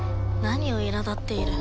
何をいら立っている？